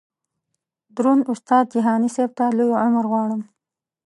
دروند استاد جهاني صیب ته لوی عمر غواړم.